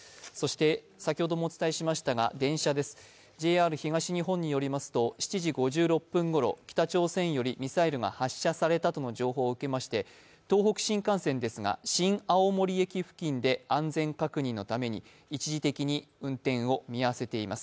先ほどもお伝えしましたが電車です、ＪＲ東日本によりますと、７時５６分ごろ北朝鮮よりミサイルが発射されたとの情報を受けまして東北新幹線ですが、新青森駅付近で安全確認のために一時的に運転を見合わせています。